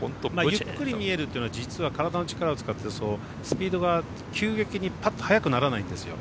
ゆっくり見えるっていうのは実は体の力を使ってスピードが急激にぱっと速くならないんですよ。